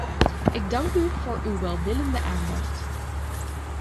Ik dank u voor uw welwillende aandacht.